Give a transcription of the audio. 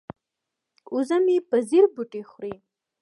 وزه مې په ځیر بوټي خوري.